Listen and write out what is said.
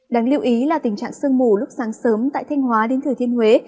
đáng lưu ý là tình trạng sương mù lúc sáng sớm tại thanh hóa đến thừa thiên huế